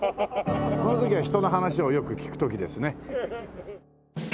この時は人の話をよく聞く時ですね。